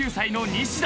西田！